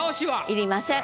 いりません。